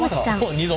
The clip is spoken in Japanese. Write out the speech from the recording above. ２度。